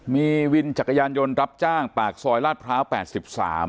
มีวินจักรยานยนต์รับจ้างปากซอยลาดพร้าวแปดสิบสาม